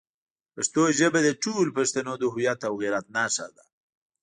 پښتو ژبه د ټولو پښتنو د هویت او غیرت نښه ده.